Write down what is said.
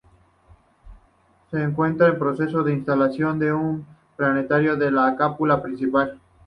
Se encuentra en proceso de instalación de un planetario en la cúpula principal.